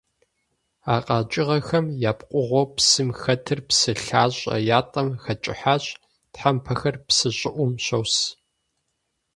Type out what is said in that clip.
А къэкӀыгъэхэм я пкъыгъуэу псым хэтыр псы лъащӀэ ятӀэм хэкӀыхьащ, тхьэмпэхэр псы щӀыӀум щос.